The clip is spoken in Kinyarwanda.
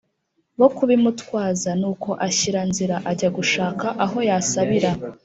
bo kubimutwaza. nuko ashyira nzira, ajya gushaka aho yasabira